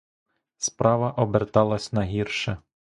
Справа оберталась на гірше.